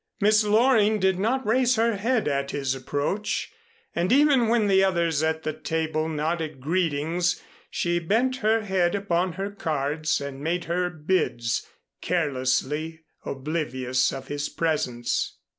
Miss Loring did not raise her head at his approach, and even when the others at the table nodded greetings she bent her head upon her cards and made her bids, carelessly oblivious of his presence.